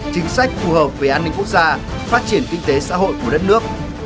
chính sách phù hợp với an ninh quốc gia phát triển kinh tế xã hội của đất nước